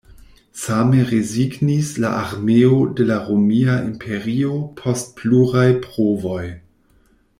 Same rezignis la armeo de la Romia Imperio post pluraj provoj.